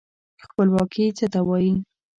خپلواکي څه ته وايي؟